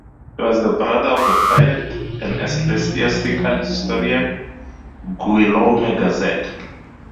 He was the brother of the poet and ecclesiastical historian Guillaume Gazet.